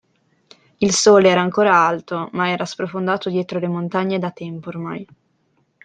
Il sole era ancora alto, ma era sprofondato dietro le montagne da tempo ormai.